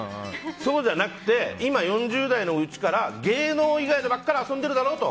そうじゃなくて今４０代のうちから芸能ばっかりと遊んでるだろと。